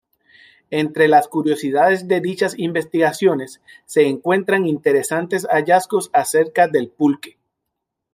Entre las curiosidades de dichas investigaciones se encuentran interesantes hallazgos acerca del Pulque.